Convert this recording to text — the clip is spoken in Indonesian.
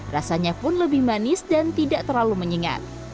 rasanya pun lebih manis dan tidak terlalu menyengat